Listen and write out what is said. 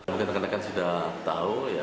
mereka terkadang sudah tahu